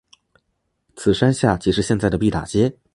此山下即是现在的毕打街。